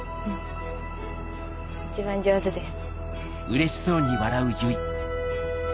一番上手です。